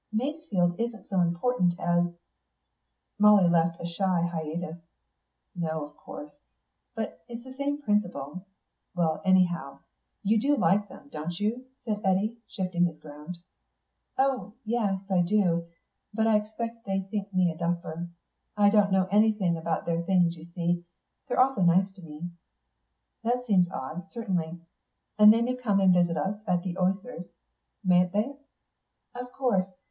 "Masefield isn't so important as " Molly left a shy hiatus. "No; of course; but, it's the same principle.... Well, anyhow you like them, don't you?" said Eddy shifting his ground. "Oh, yes, I do. But I expect they think me a duffer. I don't know anything about their things, you see. They're awfully nice to me." "That seems odd, certainly. And they may come and visit us at the Osiers, mayn't they?" "Of course.